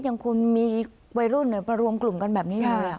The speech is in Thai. ยังคงมีวัยรุ่นมารวมกลุ่มกันแบบนี้เลย